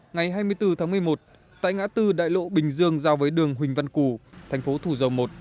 ngày hai mươi bốn tháng một mươi một tại ngã tư đại lộ bình dương giao với đường huỳnh văn cù thành phố thủ dầu một